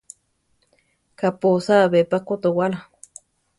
Kaʼpósa be pa kotowála?